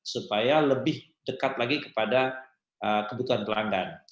supaya lebih dekat lagi kepada kebutuhan pelanggan